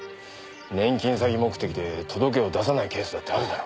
年金詐欺目的で届けを出さないケースだってあるだろ。